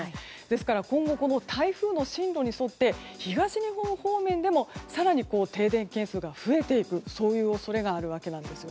ですから今後台風の進路に沿って東日本方面でも更に停電件数が増えていくそういう恐れがあるんです。